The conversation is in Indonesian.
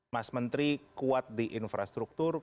mas menteri kuat di infrastruktur